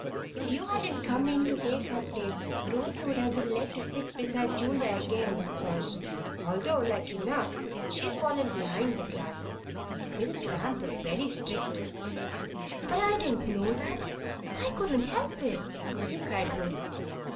If you hadn't come in to take her place, Rosy would have been let sit beside Julia again, of course, although like enough she's fallen behind the class. Miss Cramp is very strict." "But I didn't know that. I couldn't help it," cried Ruth.